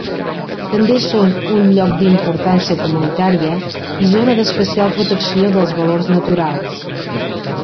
També són un Lloc d'Importància Comunitària i Zona d'especial protecció dels valors naturals.